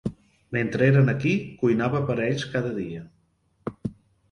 Mentre eren aquí, cuinava per a ells cada dia.